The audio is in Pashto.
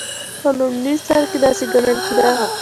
په لومړي سر کې داسې ګڼل کېده.